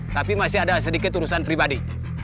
tapi masih ada sedikit urusan pribadi